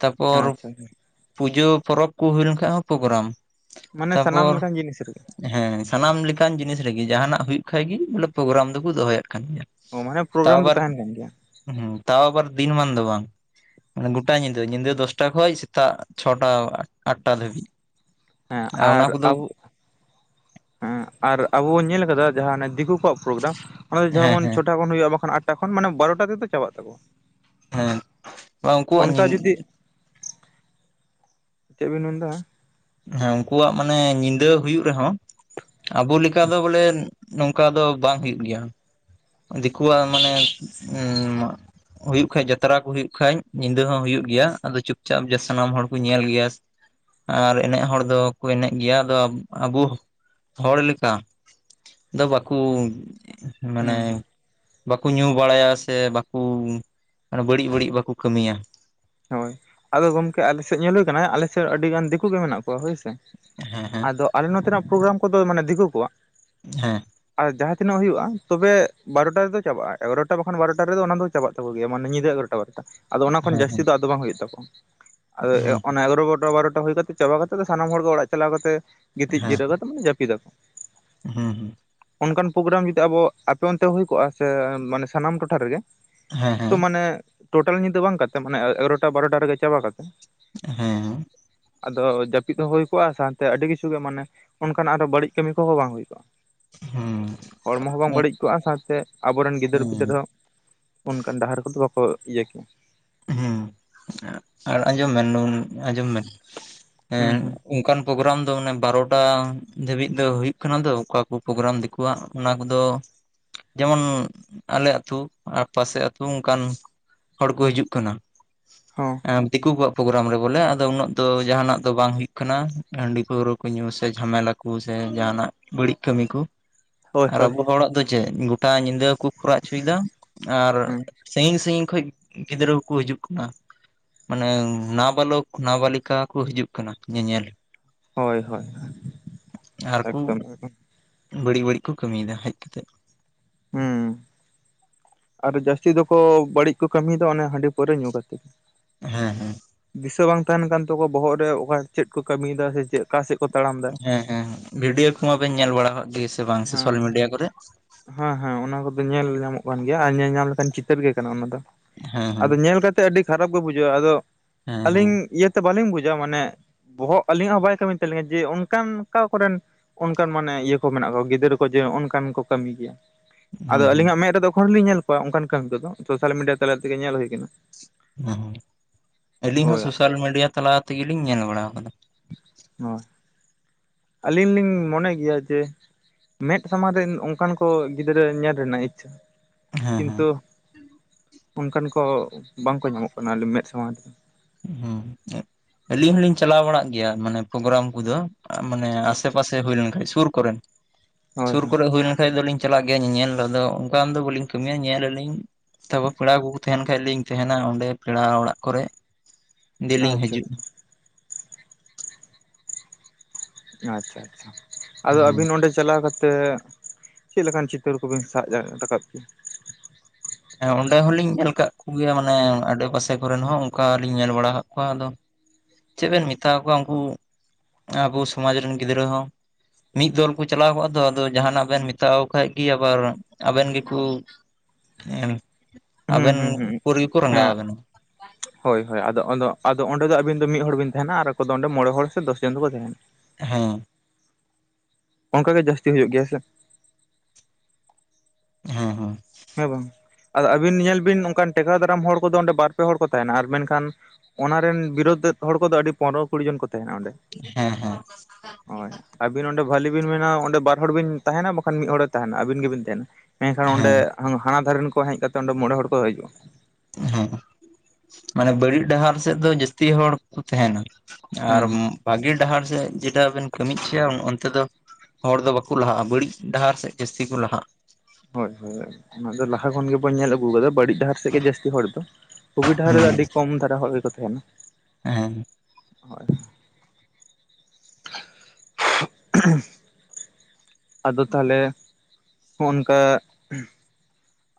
ᱛᱟᱯᱚᱨ ᱟᱪᱪᱷᱟ ᱯᱩᱡᱟᱹ ᱯᱚᱨᱚᱵ ᱠᱚ ᱦᱩᱭ ᱞᱮᱱᱠᱷᱟᱡ ᱦᱚᱸ ᱯᱨᱳᱜᱨᱟᱢ ᱢᱟᱱᱮ ᱛᱟᱯᱚᱨ ᱥᱟᱱᱟᱢ ᱞᱮᱠᱟᱱ ᱡᱤᱱᱤᱥ ᱨᱮᱜᱮ ᱦᱮᱸ ᱥᱟᱱᱟᱢ ᱞᱮᱠᱟᱱ ᱡᱤᱱᱤᱥ ᱨᱮᱜᱮ ᱡᱟᱦᱟᱱᱟᱜ ᱦᱩᱭᱩᱜ ᱠᱷᱟᱡ ᱜᱮ ᱵᱚᱞᱮ ᱯᱨᱳᱜᱨᱟᱢ ᱫᱚᱠᱚ ᱫᱚᱦᱚᱭᱮᱫ ᱠᱟᱱ ᱜᱮᱭᱟ ᱚ ᱢᱟᱱᱮ ᱛᱟᱣ ᱯᱨᱳᱜᱨᱟᱢ ᱫᱚ ᱟᱵᱟᱨ ᱛᱟᱦᱮᱱ ᱠᱟᱱ ᱜᱮᱭᱟ ᱦᱩᱸ ᱛᱟᱣ ᱟᱵᱟᱨ ᱫᱤᱱ ᱢᱟᱱ ᱫᱚ ᱵᱟᱝ ᱢᱟᱱᱮ ᱜᱚᱴᱟ ᱧᱤᱫᱟᱹ ᱧᱤᱫᱟᱹ ᱫᱚᱥᱴᱟ ᱠᱷᱚᱡ ᱥᱮᱛᱟᱜ ᱪᱷᱚᱴᱟ ᱟᱴᱴᱟ ᱫᱷᱟᱹᱵᱤᱡ ᱦᱮᱸ ᱚᱱᱟ ᱟᱨ ᱠᱚᱫᱚ ᱟᱵᱚ ᱦᱮᱸ ᱟᱨ ᱟᱵᱚ ᱵᱚᱱ ᱧᱮᱞ ᱟᱠᱟᱫᱟ ᱡᱟᱦᱟ ᱟᱱᱮ ᱫᱤᱠᱩ ᱠᱚᱣᱟᱜ ᱯᱨᱳᱜᱨᱟᱢ ᱚᱱᱟ ᱦᱮᱸ ᱡᱚᱢᱚᱱ ᱦᱮᱸ ᱪᱷᱚᱴᱟ ᱠᱷᱚᱱ ᱦᱩᱭᱩᱜ-ᱟ ᱵᱟᱝᱠᱷᱟᱱ ᱟᱴ ᱴᱟ ᱠᱷᱚᱱ ᱢᱟᱱᱮ ᱵᱟᱨᱚᱴᱟ ᱛᱮᱫᱚ ᱪᱟᱵᱟᱜ ᱛᱟᱠᱚᱣᱟ ᱦᱮᱸ ᱵᱟ ᱩᱱᱠᱩᱣᱟᱜ ᱧᱤ ᱚᱱᱠᱟ ᱡᱩᱫᱤ ᱪᱮᱫ ᱵᱮᱱ ᱢᱮᱱ ᱮᱫᱟ ᱦᱮᱸ ᱩᱱᱠᱩᱣᱟᱜ ᱢᱟᱱᱮ ᱧᱤᱫᱟᱹ ᱦᱩᱭᱩᱜ ᱨᱮᱦᱚᱸ ᱟᱵᱚ ᱞᱮᱠᱟ ᱫᱚ ᱵᱚᱞᱮ ᱱᱚᱝᱠᱟ ᱫᱚ ᱵᱟᱝ ᱦᱩᱭᱩᱜ ᱜᱮᱭᱟ ᱾ ᱫᱤᱠᱩᱣᱟᱜ ᱢᱟᱱᱮ *inaudible* ᱦᱩᱭᱩᱜ ᱠᱷᱟᱡ ᱡᱟᱛᱨᱟ ᱠᱚ ᱦᱩᱭᱩᱜ ᱠᱷᱟᱡ ᱧᱤᱫᱟᱹ ᱦᱚᱸ ᱦᱩᱭᱩᱜ ᱜᱮᱭᱟ ᱟᱫᱚ ᱪᱩᱯᱪᱟᱯ ᱡᱟ ᱥᱟᱱᱟᱢ ᱦᱚᱲ ᱠᱚ ᱧᱮᱞ ᱜᱮᱭᱟ ᱟᱨ ᱮᱱᱮᱡ ᱦᱚᱲ ᱫᱚ ᱠᱚ ᱮᱱᱮᱡ ᱜᱮᱭᱟ ᱟᱫᱚ ᱟᱵᱚ ᱦᱚᱲ ᱞᱮᱠᱟ ᱫᱚ ᱵᱟᱠᱩ ᱢᱟᱱᱮ ᱦᱮᱸ ᱵᱟᱠᱩ ᱧᱩ ᱵᱟᱲᱟᱭᱟ ᱥᱮ ᱵᱟᱠᱩ ᱵᱟᱹᱲᱤᱡ ᱵᱟᱹᱲᱤᱡ ᱵᱟᱠᱚ ᱠᱟᱹᱢᱤᱭᱟ ᱦᱳᱭ ᱟᱫᱚ ᱜᱚᱢᱠᱮ ᱟᱞᱮ ᱥᱮᱫ ᱧᱮᱞ ᱦᱩᱭ ᱠᱟᱱᱟ ᱟᱞᱮ ᱥᱮᱫ ᱟᱹᱰᱤ ᱜᱟᱱ ᱫᱤᱠᱩ ᱜᱮ ᱢᱮᱱᱟᱜ ᱠᱚᱣᱟ ᱦᱳᱭ ᱥᱮ ᱦᱮᱸ ᱦᱮᱸ ᱟᱫᱚ ᱟᱞᱮ ᱱᱚᱛᱮᱱᱟᱜ ᱯᱨᱳᱜᱨᱟᱢ ᱠᱚᱫᱚ ᱢᱟᱱᱮ ᱫᱤᱠᱩ ᱠᱚᱣᱟᱜ ᱦᱮᱸ ᱟᱨ ᱡᱟᱦᱟᱸ ᱛᱤᱱᱟᱹᱜ ᱦᱩᱭᱩᱜ-ᱟ ᱛᱚᱵᱮ ᱵᱟᱨᱚᱴᱟ ᱨᱮᱫᱚ ᱪᱟᱵᱟᱜ-ᱟ ᱮᱜᱟᱨᱚᱴᱟ ᱵᱟᱠᱷᱟᱱ ᱵᱟᱨᱚᱴᱟ ᱨᱮᱫᱚ ᱚᱱᱟ ᱫᱚ ᱪᱟᱵᱟᱜ ᱛᱟᱠᱚ ᱜᱮᱭᱟ ᱢᱟᱱᱮ ᱧᱤᱫᱟᱹ ᱮᱜᱟᱨᱚᱴᱟ ᱴᱟ ᱵᱟᱨᱚᱴᱟ ᱟᱫᱚ ᱚᱱᱟ ᱠᱷᱚᱱ ᱦᱮᱸ ᱡᱟᱹᱥᱛᱤ ᱫᱚ ᱟᱫᱚ ᱵᱟᱝ ᱦᱩᱭᱩᱜ ᱛᱟᱠᱚᱣᱟ ᱟᱫᱚ ᱚᱱᱟ ᱮᱜᱟᱨᱚᱴᱟ ᱵᱟᱨᱚᱴᱟ ᱦᱩᱭ ᱠᱟᱛᱮ ᱪᱟᱵᱟ ᱠᱟᱛᱮ ᱫᱚ ᱥᱟᱱᱟᱢ ᱦᱚᱲ ᱜᱮ ᱚᱲᱟᱜ ᱪᱟᱞᱟᱣ ᱠᱟᱛᱮᱜ ᱜᱤᱛᱤᱡ ᱡᱤᱨᱟᱹᱣ ᱠᱟᱛᱮ ᱢᱟᱱᱮ ᱡᱟᱹᱯᱤᱫ ᱟᱠᱚ ᱦᱩᱸ ᱦᱩᱸ ᱚᱱᱠᱟᱱ ᱯᱨᱳᱜᱨᱟᱢ ᱡᱩᱫᱤ ᱟᱵᱚ ᱟᱯᱮ ᱚᱱᱛᱮ ᱦᱳᱭ ᱠᱚᱜ-ᱟ ᱥᱮ ᱢᱟᱱᱮ ᱥᱟᱱᱟᱢ ᱴᱚᱴᱷᱟ ᱨᱮᱜᱮ ᱦᱮᱸ ᱦᱮᱸ ᱦᱮᱸ ᱾ ᱛᱚ ᱢᱟᱱᱮ ᱴᱳᱴᱟᱞ ᱧᱤᱫᱟᱹ ᱵᱟᱝ ᱠᱟᱛᱮ ᱢᱟᱱᱮ ᱮᱜᱟᱨᱚᱴᱟ ᱵᱟᱨᱚᱴᱟ ᱨᱮᱜᱮ ᱪᱟᱵᱟ ᱠᱟᱛᱮ ᱾ ᱦᱮᱸ ᱟᱫᱚ ᱡᱟᱹᱯᱤᱫ ᱦᱚᱸ ᱦᱩᱭ ᱠᱚᱜ-ᱟ ᱥᱟᱶᱛᱮ ᱟᱹᱰᱤ ᱠᱤᱪᱷᱩ ᱜᱮ ᱢᱟᱱᱮ ᱚᱱᱠᱟᱱᱟᱜ ᱟᱨᱚ ᱵᱟᱹᱲᱤᱡ ᱠᱟᱹᱢᱤ ᱠᱚᱦᱚᱸ ᱵᱟᱝ ᱦᱩᱭ ᱠᱚᱜ-ᱟ, ᱦᱮᱸ ᱦᱚᱲᱢᱚ ᱦᱚᱸ ᱵᱟᱝ ᱵᱟᱹᱲᱤᱡ ᱠᱚᱜ-ᱟ ᱥᱟᱶᱛᱮ ᱟᱵᱚᱨᱮᱱ ᱜᱤᱫᱟᱹᱨ ᱯᱤᱫᱟᱹᱨ ᱦᱩᱸ ᱦᱚᱸ ᱚᱱᱠᱟᱱ ᱰᱟᱦᱟᱨ ᱠᱚᱫᱚ ᱵᱟᱠᱚ ᱤᱭᱟᱹ ᱠᱮᱭᱟ ᱾ ᱦᱩᱸ ᱟᱨ ᱟᱸᱡᱚᱢ ᱵᱮᱱ ᱱᱩᱱ ᱟᱸᱡᱚᱢ ᱵᱮᱱ ᱮᱱ ᱦᱩᱸ ᱦᱩᱸ ᱚᱱᱠᱟᱱ ᱯᱨᱳᱜᱨᱟᱢ ᱫᱚ ᱚᱱᱮ ᱵᱟᱨᱚᱴᱟ ᱫᱟᱹᱵᱤᱡ ᱫᱚ ᱦᱳᱭᱳᱜ ᱠᱟᱱᱟ ᱫᱚ ᱚᱠᱟ ᱠᱚ ᱯᱨᱳᱜᱨᱟᱢ ᱟᱠᱚᱣᱟᱜ ᱚᱱᱟ ᱠᱚᱫᱚ ᱡᱮᱢᱚᱱ ᱟᱞᱮ ᱟᱹᱛᱩ ᱟᱨ ᱯᱟᱥᱮ ᱟᱹᱛᱩ ᱚᱱᱠᱟᱱ ᱦᱚᱲ ᱠᱚ ᱦᱤᱡᱩᱜ᱾ ᱠᱟᱱᱟ ᱦᱚᱸ, *unintelligible* ᱫᱤᱠᱩ ᱠᱚᱣᱟᱜ ᱯᱨᱳᱜᱨᱟᱢ ᱨᱮ ᱵᱚᱞᱮ ᱟᱫᱚ ᱩᱱᱟᱹᱜ ᱫᱚ ᱡᱟᱦᱟᱱᱟᱜ ᱫᱚ ᱵᱟᱝ ᱦᱩᱭᱩᱜ ᱠᱟᱱᱟ ᱦᱟᱺᱰᱤ ᱯᱟᱹᱣᱨᱟᱹ ᱠᱚ ᱧᱩ ᱥᱮ ᱡᱷᱟᱢᱮᱞᱟ ᱾ ᱠᱩ ᱥᱮ ᱡᱟᱦᱟᱱᱟᱜ ᱵᱟᱹᱲᱤᱡ ᱠᱟᱹᱢᱤ ᱠᱩ ᱦᱳᱭ ᱾ ᱟᱨ ᱦᱳᱭ ᱟᱵᱚ ᱦᱚᱲᱟᱜ ᱫᱚ ᱪᱮᱜ ᱜᱚᱴᱟ ᱧᱤᱫᱟᱹᱠᱚ ᱠᱷᱚᱨᱟᱜ ᱪᱚᱭᱫᱟ ᱾ ᱟᱨ ᱦᱩᱸ ᱥᱟᱹᱭᱤᱝ ᱥᱟᱹᱭᱤᱝ ᱠᱷᱚᱡ ᱜᱤᱫᱽᱨᱟᱹ ᱾ ᱠᱚ ᱦᱤᱡᱩᱜ ᱠᱟᱱᱟ ᱢᱟᱱᱮ ᱱᱟᱵᱟᱞᱚᱠ ᱱᱟᱵᱟᱞᱤᱠᱟ ᱠᱚ ᱦᱤᱡᱩᱜ ᱠᱟᱱᱟ ᱧᱮᱧᱮᱞ ᱾ ᱦᱳᱭ ᱦᱳᱭ ᱟᱨᱠᱩ ᱮᱠᱫᱚᱢ ᱮᱠᱫᱚᱢ ᱾ ᱵᱟᱹᱲᱤᱡ ᱵᱟᱹᱲᱤᱡ ᱠᱚ ᱠᱟᱹᱢᱤᱭᱫᱟ ᱦᱮᱡ ᱠᱟᱛᱮᱫ ᱾ ᱦᱩᱸ ᱟᱨ ᱡᱟᱹᱥᱛᱤ ᱫᱚᱠᱚ ᱵᱟᱹᱲᱤᱡ ᱠᱚ ᱠᱟᱹᱢᱤᱭᱫᱟ ᱚᱱᱮ ᱦᱟᱺᱰᱤ ᱯᱟᱹᱣᱨᱟᱹ ᱧᱩ ᱠᱟᱛᱮᱫ ᱾ ᱦᱮᱸ ᱦᱮᱸ ᱾ ᱫᱤᱥᱟᱹ ᱵᱟᱝ ᱛᱟᱦᱮᱱ ᱠᱟᱱ ᱛᱟᱠᱚᱣᱟ ᱵᱚᱦᱚᱜ ᱨᱮ ᱚᱠᱟ ᱪᱮᱫ ᱠᱚ ᱠᱟᱹᱢᱤᱭᱫᱟ ᱥᱮ ᱪᱮᱜ ᱚᱠᱟ ᱥᱮᱫ ᱠᱚ ᱛᱟᱲᱟᱢ ᱫᱟ ᱾ ᱦᱮᱸ ᱦᱮᱸ ᱵᱷᱤᱰᱤᱭᱳ ᱠᱚᱢᱟᱵᱮᱱ ᱧᱮᱞ ᱵᱟᱲᱟ ᱠᱟᱜ ᱜᱤ ᱥᱮ ᱵᱟᱝ ᱦᱮᱸ ᱥᱳᱥᱟᱞ ᱢᱤᱰᱤᱭᱟ ᱠᱚᱨᱮᱜ? ᱦᱮᱸ ᱦᱮᱸ ᱚᱱᱟ ᱠᱚᱫᱚ ᱧᱮᱞ ᱧᱟᱢᱚᱜ ᱠᱟᱱ ᱜᱮᱭᱟ ᱟᱨ ᱧᱮᱞ ᱧᱟᱢ ᱞᱮᱠᱟᱱ ᱪᱤᱛᱟᱹᱨ ᱜᱮ ᱠᱟᱱᱟ ᱚᱱᱟ ᱫᱚ ᱦᱮᱸ ᱾ ᱦᱮᱸ ᱟᱫᱚ ᱧᱮᱞ ᱠᱟᱛᱮ ᱟᱹᱰᱤ ᱠᱷᱟᱨᱟᱯ ᱜᱮ ᱵᱩᱡᱷᱟᱹᱜᱼᱟ ᱟᱫᱚ ᱦᱮᱸ ᱦᱮᱸ ᱟᱹᱞᱤᱧ ᱤᱭᱟᱹᱛᱮ ᱵᱟᱹᱞᱤᱧ ᱵᱩᱡᱟ ᱢᱟᱱᱮ ᱵᱚᱦᱚᱜ ᱟᱹᱞᱤᱧᱟᱜ ᱦᱚᱸ ᱵᱟᱭ ᱠᱟᱹᱢᱤ ᱛᱟᱞᱤᱧᱟ ᱡᱮ ᱚᱱᱠᱟᱱ ᱚᱠᱟ ᱠᱚᱨᱮᱱ ᱚᱱᱠᱟᱱ ᱢᱟᱱᱮ ᱤᱭᱟᱹ ᱠᱚ ᱢᱮᱱᱟᱜ ᱠᱚᱣᱟ ᱾ ᱜᱤᱫᱽᱨᱟᱹ ᱠᱚ ᱡᱮ ᱚᱼᱱᱚᱱᱠᱟᱱ ᱠᱚ ᱠᱟᱹᱢᱤ ᱜᱮᱭᱟ, ᱦᱩᱸ ᱟᱫᱚ ᱦᱩᱸ ᱟᱹᱞᱤᱧᱟᱜ ᱢᱮᱫ ᱨᱮᱫᱚ ᱮᱠᱷᱚᱱ ᱦᱚᱸᱞᱤᱧ ᱧᱮᱞ ᱠᱚᱣᱟᱜ ᱚᱱᱠᱟᱱ ᱠᱟᱹᱢᱤ ᱠᱚ ᱫᱚ ᱥᱳᱥᱟᱞ ᱢᱤᱰᱤᱭᱟ ᱛᱟᱞᱟ ᱛᱮᱜᱮ ᱧᱮᱞ ᱦᱩᱭ ᱠᱟᱱᱟ ᱾ *inaudible* ᱟᱹᱞᱤᱧ ᱦᱚᱸ ᱥᱳᱥᱟᱞ ᱢᱤᱰᱤᱭᱟ ᱛᱟᱞᱟ ᱛᱮᱜᱮᱞᱤᱧ ᱧᱮᱞ ᱵᱟᱲᱟ ᱠᱟᱫᱟ ᱾ ᱦᱳᱭ, ᱟᱹᱞᱤᱧ ᱞᱤᱧ ᱢᱚᱱᱮ ᱜᱮᱭᱟ ᱡᱮ ᱢᱮᱫ ᱥᱟᱢᱟᱝ ᱨᱮ ᱚᱱᱠᱟᱱ ᱠᱚ ᱜᱤᱫᱽᱨᱟᱹ ᱧᱮᱞ ᱨᱮᱱᱟᱜ ᱤᱪᱪᱷᱟᱹ ᱾ ᱦᱮᱸ ᱦᱮᱸ ᱠᱤᱱᱛᱩ ᱚᱱᱠᱟᱱ ᱠᱚ ᱵᱟᱝᱠᱚ ᱧᱟᱢᱚᱜ ᱠᱟᱱᱟ ᱢᱮᱫ ᱥᱟᱢᱟᱝ ᱨᱮ ᱾ *inaudible* ᱟᱹᱞᱤᱧ ᱦᱚᱞᱤᱧ ᱪᱟᱞᱟᱣ ᱵᱟᱲᱟᱜ ᱜᱮᱭᱟ ᱢᱟᱱᱮ ᱯᱨᱳᱜᱨᱟᱢ ᱠᱚᱫᱚ ᱾ ᱢᱟᱱᱮ ᱟᱥᱮ ᱟᱪᱪᱷᱟ ᱯᱟᱥᱮ ᱦᱩᱭ ᱞᱮᱱᱠᱷᱟᱡ ᱥᱩᱨ ᱠᱚᱨᱮᱱ ᱦᱳᱭ ᱥᱩᱨ ᱦᱳᱭ ᱠᱚᱨᱮ ᱦᱩᱭ ᱞᱮᱱᱠᱷᱟᱡ ᱫᱚᱞᱤᱧ ᱪᱟᱞᱟᱜ ᱜᱮᱭᱟ ᱧᱮᱧᱮᱞ ᱫᱚ ᱚᱱᱠᱟ ᱫᱚ ᱵᱟᱞᱤᱧ ᱠᱟᱹᱢᱤᱭᱟ ᱧᱮᱞ ᱟᱹᱞᱤᱧ ᱛᱟᱯᱚ ᱯᱮᱲᱟ ᱠᱚᱠᱚ ᱛᱟᱦᱮᱱ ᱠᱷᱟᱡ ᱞᱤᱧ ᱛᱟᱦᱮᱱᱟ ᱚᱸᱰᱮ ᱯᱮᱲᱟ ᱚᱲᱟᱜ ᱠᱚᱨᱮ ᱟᱪᱪᱷᱟ ᱫᱮᱞᱤᱧ ᱟᱪᱪᱷᱟ ᱦᱤᱡᱩᱜᱼᱟ ᱾ ᱟᱪᱪᱷᱟ ᱟᱪᱪᱷᱟ ᱟᱫᱚ ᱟᱹᱵᱤᱱ ᱚᱸᱰᱮ ᱪᱟᱞᱟᱣ ᱠᱟᱛᱮᱫ ᱪᱮᱜ ᱞᱮᱠᱟᱱ ᱪᱤᱛᱟᱹᱨ ᱠᱚᱵᱤᱱ ᱥᱟᱜ ᱡᱟᱜ ᱨᱟᱠᱟᱵ ᱠᱮᱫᱟ? ᱦᱮᱸ ᱚᱸᱰᱮ ᱦᱚᱞᱤᱧ ᱧᱮᱞ ᱠᱟᱜ ᱠᱚᱜᱮᱭᱟ ᱢᱟᱱᱮ ᱟᱰᱮᱯᱟᱥᱮ ᱠᱚᱨᱮᱱ ᱦᱚᱸ ᱚᱱᱠᱟ ᱞᱤᱧ ᱧᱮᱞ ᱵᱟᱲᱟ ᱠᱟᱜ ᱠᱚᱣᱟ ᱟᱫᱚ ᱾ ᱪᱮᱜ ᱵᱮᱱ ᱢᱮᱛᱟ ᱠᱚᱣᱟ ᱩᱱᱠᱩ ᱟᱵᱩ ᱥᱚᱢᱟᱡ ᱨᱮᱱ ᱜᱤᱫᱽᱨᱟᱹ ᱦᱚᱸ ᱾ ᱢᱤᱜ ᱫᱚᱞ ᱠᱚ ᱪᱟᱞᱟᱣ ᱠᱚᱜᱼᱟ ᱫᱚ ᱟᱫᱚ ᱡᱟᱦᱱᱟᱜ ᱵᱮᱱ ᱢᱮᱛᱟᱣ ᱠᱷᱟᱡ ᱠᱤ ᱟᱵᱟᱨ ᱟᱵᱮᱱ ᱜᱮᱠᱩ ᱮᱢ ᱦᱩᱸ ᱟᱵᱮᱱ ᱦᱩᱸ ᱦᱩᱸ ᱩᱯᱳᱨᱤ ᱜᱮᱠᱚ ᱨᱟᱸᱜᱟᱣ ᱦᱮᱸ ᱟᱵᱮᱱᱟ ᱾ *inaudible* ᱦᱳᱭ ᱦᱳᱭ ᱟᱫᱚ ᱟᱫᱚ ᱚᱸᱰᱮ ᱫᱚ ᱟᱵᱤᱱ ᱫᱚ ᱢᱤᱫ ᱦᱚᱲ ᱵᱤᱱ ᱛᱟᱦᱮᱱᱟ ᱟᱨ ᱟᱠ ᱫᱚ ᱚᱸᱰᱮ ᱢᱚᱬᱮ ᱦᱚᱲ ᱥᱮ ᱫᱚᱥ ᱡᱚᱱ ᱫᱚᱠᱚ ᱛᱟᱦᱮᱱᱟ᱾ ᱦᱮᱸ᱾ ᱚᱱᱠᱟ ᱜᱮ ᱡᱟᱹᱥᱛᱤ ᱦᱩᱭᱩᱜ ᱜᱮᱭᱟ ᱥᱮ? ᱦᱩᱸ ᱦᱩᱸ, ᱦᱮᱸ ᱵᱟᱝ ᱟᱫᱚ ᱟᱹᱵᱤᱱ ᱧᱮᱞ ᱵᱤᱱ ᱚᱱᱠᱟᱱ ᱴᱮᱠᱟᱣ ᱫᱟᱨᱟᱢ ᱦᱚᱲ ᱠᱚᱫᱚ ᱚᱸᱰᱮ ᱵᱟᱨ ᱯᱮ ᱦᱚᱲ ᱠᱚ ᱛᱟᱦᱮᱱᱟ ᱟᱨ ᱢᱮᱱᱠᱷᱟᱱ, ᱚᱱᱟ ᱨᱮᱱ ᱵᱤᱨᱳᱫᱮᱛ ᱦᱚᱲ ᱠᱚᱫᱚ ᱟᱹᱰᱤ ᱯᱚᱱᱨᱚ ᱠᱩᱲᱤ ᱡᱚᱱ ᱠᱚ ᱛᱟᱦᱮᱱᱟ ᱚᱸᱰᱮ᱾ ᱦᱮᱸ ᱦᱮᱸ, ᱦᱳᱭ ᱟᱹᱵᱤᱱ ᱚᱸᱰᱮ ᱵᱷᱟᱞᱤ ᱵᱤᱱ ᱢᱮᱱᱟ ᱚᱸᱰᱮ ᱵᱟᱨ ᱦᱚᱲ ᱵᱤᱱ ᱛᱟᱦᱮᱱᱟ ᱵᱟᱠᱷᱟᱱ ᱢᱤᱫ ᱦᱚᱲᱮ ᱛᱟᱦᱮᱱᱟ ᱟᱹᱵᱤᱱ ᱜᱮᱵᱤᱱ ᱛᱟᱦᱮᱱᱟ᱾ ᱢᱮᱱᱠᱷᱟᱱ ᱚᱸᱰᱮ ᱦᱮᱸ ᱦᱟᱱᱟ ᱫᱷᱟᱨᱮᱱ ᱠᱚ ᱦᱮᱡ ᱠᱟᱛᱮ ᱚᱸᱰᱮ ᱢᱚᱬᱮ ᱦᱚᱲ ᱠᱚ ᱦᱤᱡᱩᱜᱼᱟ᱾ ᱦᱮᱸ ᱢᱟᱱᱮ ᱵᱟᱹᱲᱤᱡ ᱰᱟᱦᱟᱨ ᱥᱮᱫ ᱫᱚ ᱡᱟᱹᱥᱛᱤ ᱦᱚᱲ ᱠᱚ ᱛᱟᱦᱮᱱᱟ᱾ ᱟᱨ ᱦᱩᱸ ᱵᱷᱟᱹᱜᱮ ᱰᱟᱦᱟᱨ ᱥᱮᱫ ᱡᱮᱴᱟ ᱵᱮᱱ ᱠᱟᱹᱢᱤ ᱦᱚᱪᱚᱭᱟ ᱚᱱᱛᱮ ᱫᱚ, ᱦᱚᱲ ᱫᱚ ᱵᱟᱠᱚ ᱞᱟᱦᱟᱜᱼᱟ ᱵᱟᱹᱲᱤᱡ ᱰᱟᱦᱟᱨ ᱥᱮᱫ ᱡᱟᱹᱥᱛᱤ ᱠᱚ ᱞᱟᱦᱟᱜᱼᱟ᱾ ᱦᱳᱭ ᱦᱳᱭ ᱚᱱᱟᱫᱚ ᱞᱟᱦᱟ ᱠᱷᱚᱱ ᱜᱮᱵᱚᱱ ᱧᱮᱞ ᱟᱹᱜᱩ ᱠᱟᱫᱟ ᱵᱟᱹᱲᱤᱡ ᱰᱟᱦᱟᱨ ᱥᱮᱫ ᱜᱮ ᱡᱟᱹᱥᱛᱤ ᱦᱚᱲ ᱫᱚ ᱵᱩᱜᱤ ᱰᱟᱦᱟᱨ ᱨᱮᱫᱚ ᱟᱹᱰᱤ ᱠᱚᱢ ᱫᱷᱟᱨᱟ ᱦᱚᱲ ᱜᱮᱠᱚ ᱛᱟᱦᱮᱱᱟ᱾ ᱦᱮᱸ᱾ ᱦᱳᱭ᱾ ᱟᱫᱚ ᱛᱟᱦᱚᱞᱮ ᱦᱚᱱᱠᱟ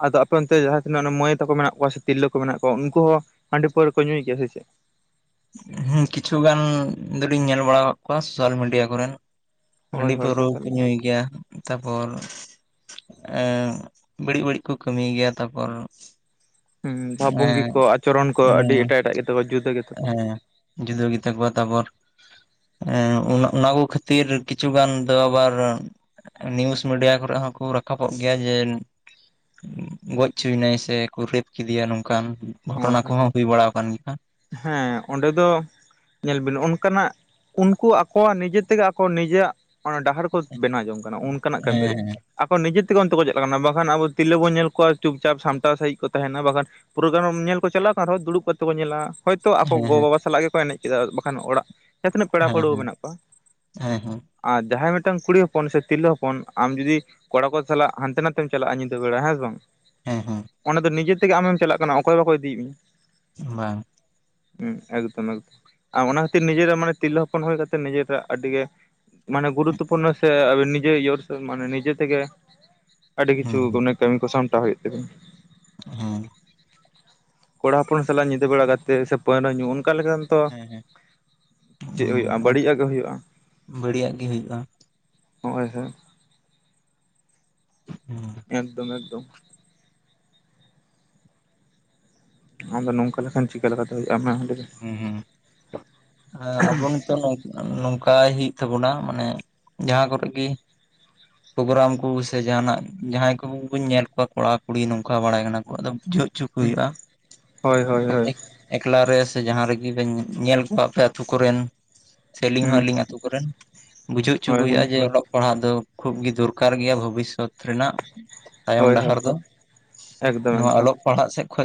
ᱟᱫᱚ ᱟᱯᱮ ᱚᱱᱛᱮ ᱡᱟᱦᱟᱸ ᱛᱤᱱᱟᱹᱜ ᱢᱟᱹᱭ ᱛᱟᱠᱚ ᱢᱮᱱᱟᱜ ᱠᱚᱣᱟ ᱥᱮ ᱛᱤᱨᱞᱟᱹ ᱠᱚ ᱢᱮᱱᱟᱜ ᱠᱚᱣᱟ ᱩᱱᱠᱩ ᱦᱚ ᱦᱟᱺᱰᱤ ᱯᱟᱹᱨᱣᱟ ᱠᱚ ᱧᱩᱭ ᱜᱮᱭᱟ ᱥᱮ ᱪᱮᱫ? ᱦᱩᱸ ᱠᱤᱪᱷᱩᱜᱟᱱ ᱫᱚᱞᱤᱧ ᱧᱮᱞ ᱵᱟᱲᱟᱣ ᱠᱟᱜ ᱠᱚᱣᱟ ᱥᱳᱥᱟᱞ ᱢᱤᱰᱤᱭᱟ ᱠᱚᱨᱮᱱ᱾ ᱦᱳᱭ ᱦᱟᱸᱰᱤ ᱦᱳᱭ ᱯᱟᱣᱨᱟᱹᱠᱚ ᱥᱳᱥᱟᱞ ᱠᱚ ᱧᱩᱭ ᱜᱮᱭᱟ᱾ ᱛᱟᱯᱚᱨ ᱮᱸᱜ ᱵᱟᱹᱲᱤᱜ - ᱵᱟᱹᱲᱤᱜ ᱠᱩ ᱠᱟᱹᱢᱤᱭ ᱜᱤᱭᱟ ᱛᱟᱯᱚᱨ, ᱦᱩᱸ ᱵᱷᱟᱵᱽ ᱵᱩᱚᱝᱜᱤ ᱮᱸ ᱠᱚ ᱟᱪᱚᱨᱚᱱ ᱠᱚ ᱟᱹᱰᱤ ᱦᱮᱸ ᱮᱴᱟᱜ - ᱮᱴᱟᱜ ᱜᱮᱛᱟ ᱠᱚᱣᱟ ᱡᱩᱫᱟᱹ ᱜᱮᱛᱟ ᱠᱚᱣᱟ᱾ ᱦᱮᱸ ᱡᱩᱫᱟᱹ ᱜᱮᱛᱟ ᱠᱚᱣᱟ ᱛᱟᱯᱚᱨ, ᱮᱸ ᱩᱱ ᱚᱱᱟ ᱠᱚ ᱠᱷᱟᱹᱛᱤᱨ ᱠᱤᱪᱷᱩ ᱜᱟᱱ ᱫᱚ ᱟᱵᱟᱨ ᱱᱤᱭᱩᱥ ᱢᱤᱰᱤᱭᱟ ᱠᱚᱨᱮᱜ ᱦᱚᱸᱠᱚ ᱨᱟᱠᱟᱵᱚᱜ ᱜᱮᱭᱟ ᱡᱮᱱ, ᱜᱚᱡ ᱪᱩᱭᱮᱱᱟᱭ ᱥᱮ ᱠᱳ ᱨᱮᱯ ᱠᱮᱫᱮᱭᱟ ᱱᱚᱝᱠᱟᱱ ᱜᱷᱚᱴᱚᱱᱟ ᱠᱚᱦᱚᱸ ᱦᱳᱭ ᱵᱟᱲᱟ ᱟᱠᱟᱱ ᱜᱮᱭᱟ᱾ ᱦᱮᱸ ᱚᱸᱰᱮ ᱫᱚ ᱧᱮᱞ ᱵᱤᱱ ᱚᱱᱠᱟᱱᱟᱜ, ᱩᱱᱠᱩ ᱟᱠᱚᱣᱟᱜ ᱱᱤᱡᱮ ᱛᱮᱜᱮ ᱟᱠᱚ ᱱᱤᱡᱮᱨᱭᱟᱜ ᱰᱟᱦᱟᱨ ᱠᱚ ᱵᱮᱱᱟᱣ ᱡᱚᱝ ᱠᱟᱱᱟ ᱚᱱᱠᱟᱱᱟᱜ ᱠᱟᱹᱢᱤ ᱨᱮ᱾ ᱦᱮᱸ ᱟᱠᱚ ᱱᱤᱡᱮ ᱛᱮᱜᱮ ᱚᱱᱛᱮ ᱠᱚ ᱪᱟᱞᱟᱜ ᱠᱟᱱᱟ ᱵᱟᱠᱷᱟᱱ ᱟᱵᱚ ᱛᱤᱨᱞᱟᱹ ᱵᱚ ᱧᱮᱞ ᱠᱚᱣᱟ ᱪᱩᱯ - ᱪᱟᱯ ᱥᱟᱢᱴᱟᱣ ᱥᱟᱟᱹᱦᱤᱡ ᱠᱚ ᱛᱟᱦᱮᱱᱟ ᱵᱟᱠᱷᱟᱱ ᱯᱨᱳᱜᱨᱟᱢ ᱧᱮᱞ ᱠᱚ ᱪᱟᱞᱟᱜ ᱠᱟᱱ ᱨᱮᱦᱚᱸ ᱫᱩᱲᱩᱵ ᱠᱟᱛᱮ ᱠᱚ ᱧᱮᱞᱟ᱾ ᱦᱳᱭᱛᱳ ᱟᱠᱚ ᱦᱮᱸ ᱜᱚᱼᱵᱟᱵᱟ ᱥᱟᱞᱟᱜ ᱜᱮᱠᱚ ᱮᱱᱮᱡ ᱠᱮᱫᱟ ᱵᱟᱠᱷᱟᱱ ᱚᱲᱟᱜ ᱡᱟᱦᱟᱸ ᱛᱤᱱᱟᱹᱜ ᱯᱮᱲᱟ ᱦᱮᱸ ᱦᱮᱸ ᱯᱟᱹᱲᱣᱟᱹ ᱦᱮᱸ ᱢᱮᱱᱟᱜ ᱠᱚᱣᱟ᱾ ᱦᱮᱸ ᱦᱮᱸ ᱟᱨ ᱡᱟᱦᱟᱸᱭ ᱢᱤᱫᱴᱟᱝ ᱠᱩᱲᱤ ᱦᱚᱯᱚᱱ ᱥᱮ ᱛᱤᱨᱞᱟᱹ ᱦᱚᱯᱚᱱ ᱟᱢ ᱡᱩᱫᱤ ᱠᱚᱲᱟ ᱠᱚ ᱥᱟᱞᱟᱜ ᱦᱟᱱᱛᱮ ᱱᱟᱛᱮᱢ ᱪᱟᱞᱟᱜᱼᱟ ᱧᱤᱫᱟᱹ ᱵᱮᱲᱟ ᱦᱮᱸ ᱥᱮ ᱵᱟᱝ? ᱦᱩᱸ- ᱦᱩᱸ, ᱚᱱᱟ ᱫᱚ ᱱᱤᱡᱮ ᱛᱮᱜᱮ ᱟᱢᱮᱢ ᱪᱟᱞᱟᱜ ᱠᱟᱱᱟ ᱚᱠᱚᱭ ᱦᱚ ᱵᱟᱠᱚ ᱤᱫᱤᱭᱮᱜ ᱢᱮᱭᱟ᱾ ᱵᱟᱝ, ᱦᱩᱸ ᱮᱠᱫᱚᱢ - ᱮᱠᱫᱚᱢ, ᱟᱨ ᱚᱱᱟ ᱠᱷᱟᱹᱛᱤᱨ ᱱᱤᱡᱮᱨᱟᱜ ᱢᱟᱱᱮ ᱛᱤᱨᱞᱟᱹ ᱦᱚᱯᱚᱱ ᱦᱩᱭ ᱠᱟᱛᱮ ᱱᱤᱡᱮᱨᱟᱜ ᱟᱹᱰᱤ ᱜᱮ, ᱢᱟᱱᱮ ᱜᱩᱨᱩᱛᱛᱚᱯᱩᱱᱱᱚ ᱥᱮ ᱟᱵᱤᱱ ᱱᱤᱡᱮ ᱭᱳᱨᱥ ᱢᱟᱱᱮ ᱱᱤᱡᱮ ᱛᱮᱜᱮ ᱾ ᱟᱹᱰᱤ ᱦᱮᱸ ᱠᱤᱪᱷᱩ ᱦᱮᱸ ᱢᱟᱱᱮ, ᱠᱟᱹᱢᱤ ᱠᱚ ᱥᱟᱢᱴᱟᱣ ᱦᱩᱭᱩᱜ ᱛᱟᱹᱵᱤᱟ᱾ ᱦᱩᱸ᱾ ᱠᱚᱲᱟ ᱦᱚᱯᱚᱱ ᱥᱟᱞᱟᱜ ᱧᱤᱫᱟᱹ ᱵᱮᱲᱟ ᱠᱟᱛᱮ ᱥᱮ ᱯᱟᱹᱣᱨᱟᱺ ᱧᱩ ᱚᱱᱠᱟ ᱞᱮᱠᱟᱱ, ᱛᱚᱷ ᱦᱮᱸ ᱦᱮᱸ ᱦᱮᱸ ᱪᱮᱫ ᱦᱩᱭᱩᱜᱼᱟ? ᱦᱩᱸ ᱵᱟᱹᱲᱤᱡ ᱟᱜ ᱜᱮ ᱦᱩᱭᱩᱜᱼᱟ᱾ ᱵᱟᱹᱲᱤᱡᱟᱜ ᱜᱮ ᱦᱩᱭᱩᱜᱼᱟ ᱦᱚᱭ - ᱦᱚᱭ᱾ ᱦᱩᱸ ᱮᱠᱫᱚᱢ ᱮᱠᱫᱚᱢ ᱱᱚᱣᱟ ᱫᱚ ᱱᱚᱝᱠᱟ ᱞᱮᱠᱷᱟᱱ ᱪᱤᱠᱟᱹ ᱞᱮᱠᱟᱛᱮ ᱦᱩᱭᱩᱜᱼᱟ *unintelligible* ᱦᱩᱸ - ᱦᱩᱸ ᱮᱸ ᱟᱵᱚᱱ ᱱᱤᱛᱚᱝ ᱱᱚᱝᱠᱟᱭ ᱦᱩᱭᱩᱜ ᱛᱟᱵᱚᱱᱟ ᱢᱟᱱᱮ ᱡᱟᱦᱟᱸ ᱠᱚᱨᱮᱜ ᱜᱤ ᱯᱳᱜᱨᱟᱢ ᱠᱳ ᱥᱮ ᱡᱟᱦᱟᱸ ᱱᱟᱜ ᱡᱟᱦᱟᱸᱭ ᱠᱚᱵᱚᱱ ᱧᱮᱞ ᱠᱚᱣᱟ ᱠᱚᱲᱟ ᱠᱩᱲᱤ ᱱᱚᱝᱠᱟ ᱵᱟᱲᱟᱭ ᱠᱟᱱᱟ ᱠᱚ ᱟᱫᱚ ᱵᱩᱡᱷᱟᱹᱜ ᱦᱚᱪᱚ ᱵᱤᱱ ᱦᱩᱭᱩᱜᱼᱟ ᱦᱳᱭ ᱦᱳᱭ ᱦᱳᱭ *unintelligible* ᱮᱠᱞᱟ ᱨᱮ ᱥᱮ ᱡᱟᱦᱟᱸ ᱨᱮᱜᱮ ᱵᱮᱱ ᱧᱮᱞ ᱠᱚᱣᱟ ᱯᱮ ᱟᱹᱛᱩ ᱠᱚᱨᱮᱱ ᱥᱮ ᱟᱹᱞᱤᱧ ᱦᱚᱸ ᱦᱩᱸ ᱟᱹᱞᱤᱧ ᱟᱛᱳ ᱠᱚᱨᱮᱱ ᱵᱩᱡᱷᱟᱹᱜ ᱦᱚᱪᱩ ᱠᱚ ᱦᱳᱭ ᱦᱩᱭᱩᱜᱼᱟ ᱦᱳᱭ ᱡᱮ ᱚᱞ ᱯᱟᱲᱦᱟᱜ ᱫᱚ ᱠᱷᱩᱵ ᱜᱮ ᱫᱚᱨᱠᱟᱨ ᱜᱮᱭᱟ ᱵᱷᱚᱵᱤᱥᱚᱛ ᱨᱮᱱᱟᱜ ᱛᱟᱭᱚᱢ ᱦᱳᱭ ᱦᱳᱭ ᱰᱟᱦᱟᱨ ᱫᱚ ᱮᱠᱫᱚᱢ ᱱᱚᱣᱟ ᱮᱠᱫᱚᱢ ᱟᱞᱚᱜ ᱯᱟᱲᱦᱟᱜ ᱥᱮᱫ ᱠᱷᱚᱡ